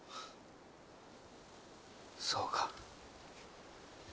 そうか。